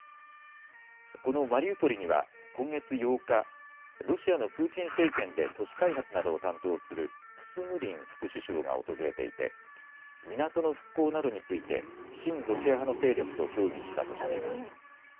このマリウポリには今月８日、ロシアのプーチン政権で都市開発などを担当するフスヌリン副首相が訪れていて港の復興などについて親ロシア派の勢力と協議したとしています。